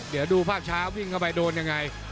เดี๋ยวดูภาพช้าวิ่งเข้าไปโดนยังไง